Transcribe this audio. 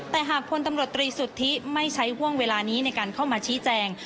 แต่หากพลตำรวจตรีสุทธิไม่ใช้ห่วงเวลานี้ในการเข้ามาชี้แจง